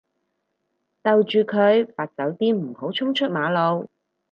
逗住佢發酒癲唔好衝出馬路